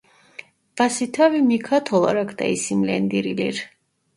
Basita ve Mikat olarak da isimlendirilir.